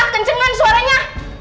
kenceng banget suaranya